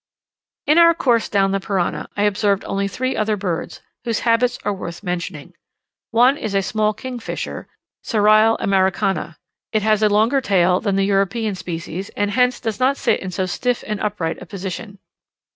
In our course down the Parana, I observed only three other birds, whose habits are worth mentioning. One is a small kingfisher (Ceryle Americana); it has a longer tail than the European species, and hence does not sit in so stiff and upright a position.